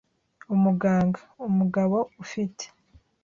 umuganga. “Umugabo ufite